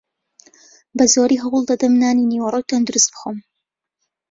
بەزۆری هەوڵدەدەم نانی نیوەڕۆی تەندروست بخۆم.